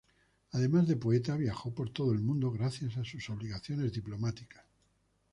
Además de poeta, viajó por todo el mundo gracias a sus obligaciones diplomáticas.